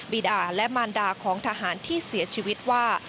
ีดาและมารดาของทหารที่เสียชีวิตว่า